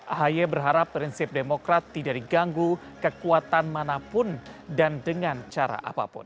ahy berharap prinsip demokrat tidak diganggu kekuatan manapun dan dengan cara apapun